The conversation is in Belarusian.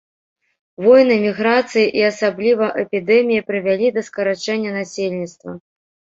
Войны, міграцыі і асабліва эпідэміі прывялі да скарачэння насельніцтва.